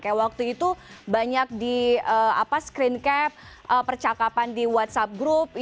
kayak waktu itu banyak di screen cap percakapan di whatsapp group